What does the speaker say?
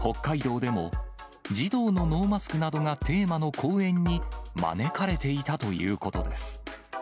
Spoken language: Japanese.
北海道でも、児童のノーマスクなどがテーマの講演に招かれていたということです。